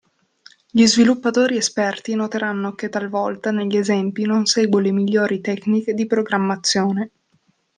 Gli sviluppatori esperti noteranno che talvolta negli esempi non seguo le migliori tecniche di programmazione.